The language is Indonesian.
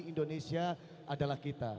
indonesia adalah kita